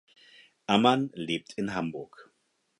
Ammann lebt in Hamburg.